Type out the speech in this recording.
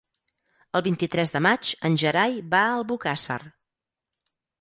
El vint-i-tres de maig en Gerai va a Albocàsser.